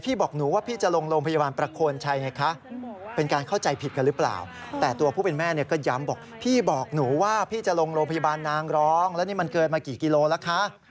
พี่จะลงโรงพยาบาลนางรองแล้วนี่มันเกิดมากี่กิโลกรัมแล้วคะ